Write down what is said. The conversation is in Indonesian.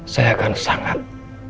saya akan sangat sedih